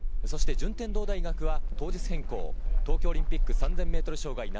そして順天堂大学は当日変更、東京オリンピック３０００ｍ障害